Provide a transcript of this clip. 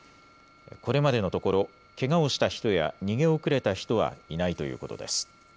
これまでのところ、けがをした人や逃げ遅れた人はいないということです。